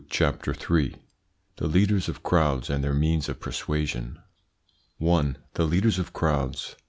CHAPTER III THE LEADERS OF CROWDS AND THEIR MEANS OF PERSUASION 1. THE LEADERS OF CROWDS.